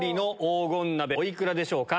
お幾らでしょうか？